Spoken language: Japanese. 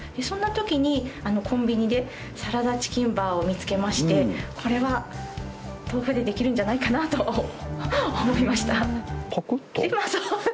そんなときにコンビニでサラダチキンバーを見つけましてこれは豆腐でできるんじゃないかなと思いました